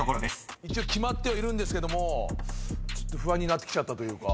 一応決まってはいるんですけども不安になってきちゃったというか。